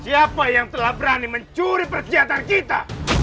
siapa yang telah berani mencuri perhatian kita